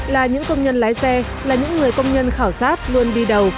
là những công nhân lái xe là những người công nhân khảo sát luôn đi đầu